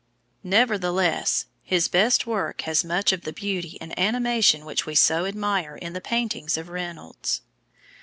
Nevertheless, his best work has much of the beauty and animation which we so admire in the paintings of Reynolds.